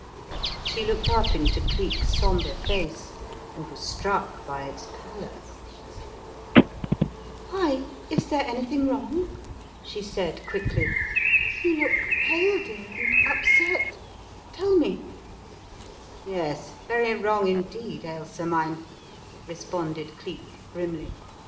She looked up into Cleek's sombre face, and was struck by its pallor. "Why, is there anything 26 The Riddle of the Purple Emperor wrong? " she said quickly. " You look pale, dear, and upset. Tell me." "Yes, very wrong indeed, Ailsa mine," responded Cleek grimly.